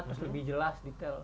terus lebih jelas detail